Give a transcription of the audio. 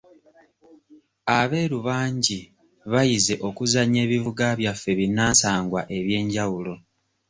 Abeeru bangi bayize okuzannya ebivuga byaffe binnansangwa eby'enjawulo.